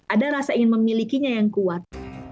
ada rasa ingin memilikinya yang kuat